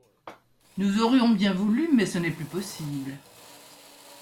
Nous aurions bien voulu, mais ce n’est plus possible.